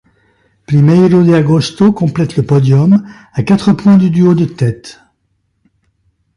Primeiro de Agosto complète le podium, à quatre points du duo de tête.